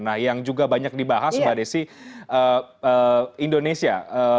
nah yang juga banyak dibahas mbak desi indonesia